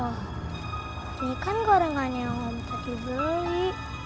wah ini kan gorengannya yang orang tadi beli